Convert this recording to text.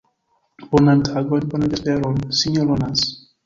Bonan tagon, bonan vesperon, Sinjoro Nans!